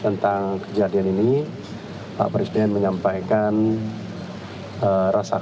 tentang kejadian ini pak presiden menyampaikan rasa keprihatinan dan mengambilkan pujastah